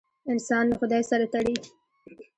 انسان له خدای سره تړي.